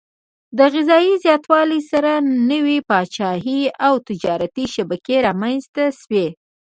د غذايي زیاتوالي سره نوي پاچاهي او تجارتي شبکې رامنځته شوې.